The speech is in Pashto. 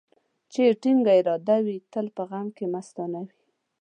چي يې ټينگه اراده وي ، تل په غم کې مستانه وي.